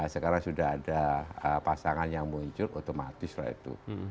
sekarang sudah ada pasangan yang muncul otomatis lah itu